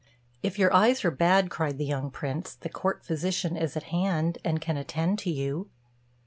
"If your eyes are bad," cried the young Prince, "the Court physician is at hand, and can attend to you."